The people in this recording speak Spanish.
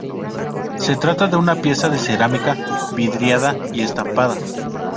Se trata de una pieza de cerámica vidriada y estampada.